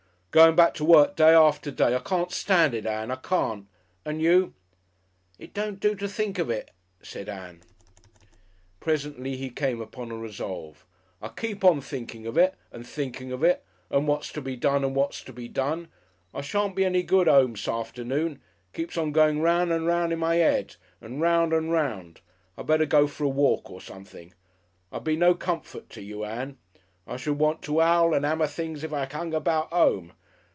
"Going back to work, day after day I can't stand it, Ann, I can't. And you " "It don't do to think of it," said Ann. Presently he came upon a resolve. "I keep on thinking of it, and thinking of it, and what's to be done and what's to be done. I shan't be any good 'ome s'arfernoon. It keeps on going 'round and 'round in my 'ead, and 'round and 'round. I better go for a walk or something. I'd be no comfort to you, Ann. I should want to 'owl and 'ammer things if I 'ung about 'ome.